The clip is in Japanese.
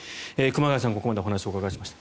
熊谷さん、ここまでお話をお伺いしました。